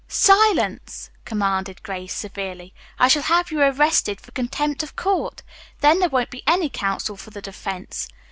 "Silence," commanded Grace severely. "I shall have you arrested for contempt of court. Then there won't be any counsel for the defense.